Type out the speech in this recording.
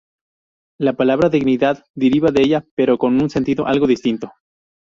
La palabra "dignidad", deriva de ella, pero con un sentido algo distinto.